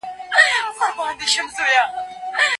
د لارښود استاد کار د مقالې املا او انشا سمول نه دي.